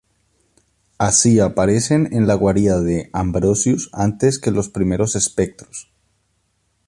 Así aparecen en la guarida de Ambrosius antes que los primeros espectros.